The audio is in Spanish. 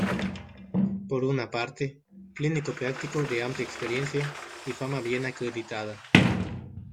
Por una parte, clínico práctico de amplia experiencia y fama bien acreditada.